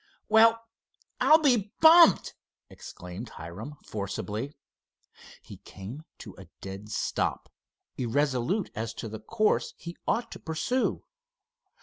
"Well, I'll be bumped!" exclaimed Hiram, forcibly. He came to a dead stop, irresolute as to the course he ought to pursue.